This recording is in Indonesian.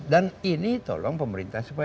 dan ini tolong pemerintah